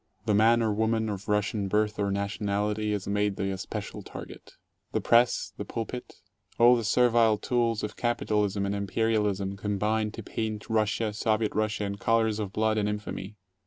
The man or woman of Russian birth or nationality is made the especial target. The press, the pulpit, all the servile tools of capitalism and imperialism combine to paint Russia, Soviet Russia, in colors of blood and infamy.